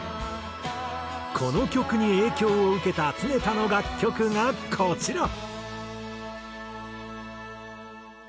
この曲に影響を受けた常田の楽曲がこちら。